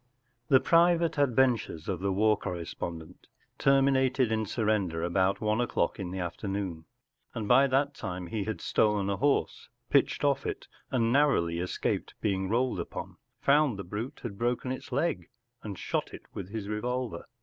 V. The private adventures of the war corre¬ spondent terminated in surrender about one o’clock in the afternoon, and by that time he had stolen a horse, pitched off it, and narrowly escaped being rolled upon ; found the brute had broken its leg, and shot it with his revolver.